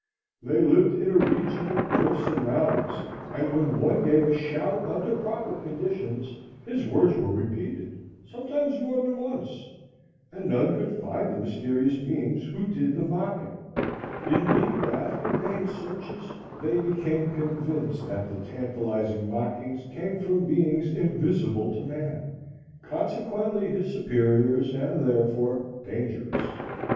They lived in a region of cliffs and mountains and when one gave a shout, under proper conditions, his words were repeated, sometimes more than once; and none could find the mysterious beings who did the mocking; indeed, after vain searches, they became convinced that the tantalizing mockings came from beings invisible to man, consequently his superiors and, therefore, dangerous.